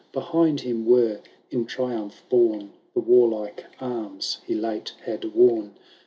Behind him were in triumph borne The warlike arms he late had worn.